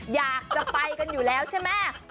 อยากจะไปกันอยู่แล้วใช่ไหม